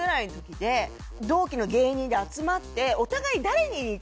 同期の芸人で集まって。